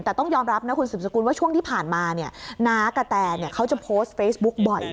แต่ต้องยอมรับนะคุณสืบสกุลว่าช่วงที่ผ่านมาเนี่ยน้ากระแตเขาจะโพสต์เฟซบุ๊กบ่อย